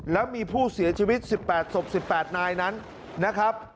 แล้วมีผู้เสียชีวิต๑๘ศพ๑๘นายนั้นนะครับ